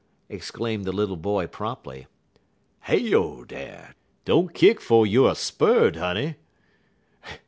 exclaimed the little boy promptly. "Heyo dar! don't kick 'fo' you er spurred, honey!